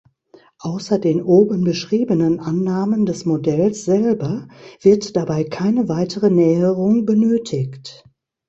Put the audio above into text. Außer den oben beschriebenen Annahmen des Modells selber wird dabei keine weitere Näherung benötigt.